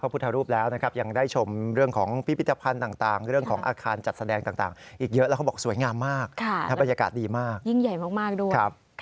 พันธ์ยากาศดีมากยิ่งใหญ่มากด้วย